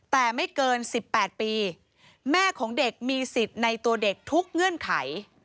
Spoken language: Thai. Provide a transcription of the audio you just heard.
แต่ไม่เกิน๑๘ปีแม่ของเด็กมีสิทธิ์ในตัวเด็กทุกเงื่อนไข